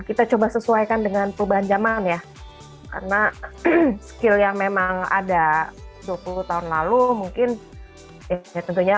kita coba sesuaikan dengan perubahan zaman ya karena skill yang memang ada dua puluh tahun lalu mungkin tentunya berbeda dengan yang sekarang ya